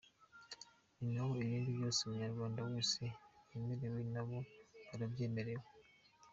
Na ho ibindi byose umunyarwanda wese yemerewe, na bo barabyemerewe.